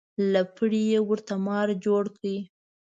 له پړي یې ورته مار جوړ کړ.